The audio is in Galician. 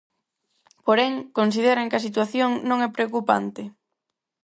Porén, consideran que a situación non é preocupante.